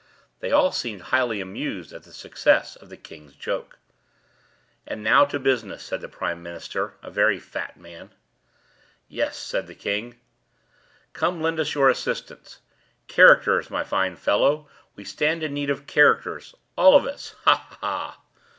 They all seemed highly amused at the success of the king's 'joke.' "And now to business," said the prime minister, a very fat man. "Yes," said the King; "Come, Hop Frog, lend us your assistance. Characters, my fine fellow; we stand in need of characters—all of us—ha! ha! ha!"